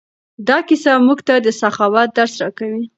دا کیسه موږ ته د سخاوت درس راکوي.